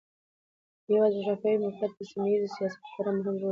د هېواد جغرافیایي موقعیت په سیمه ییز سیاست کې خورا مهم رول لري.